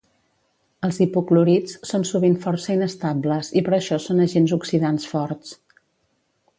Els hipoclorits són sovint força inestables i per això són agents oxidants forts.